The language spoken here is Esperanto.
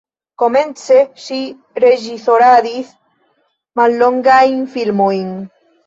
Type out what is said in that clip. Komence ŝi reĝisoradis mallongajn filmojn.